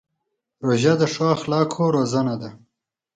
روژه د ښو اخلاقو روزنه ده.